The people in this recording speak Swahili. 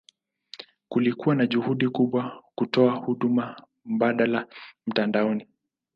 Kulikuwa na juhudi kubwa kutoa huduma mbadala mtandaoni.